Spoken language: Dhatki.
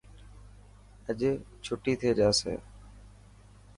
اڄ چوٽي ٿي جاسي.